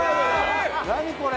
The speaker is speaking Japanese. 何これ？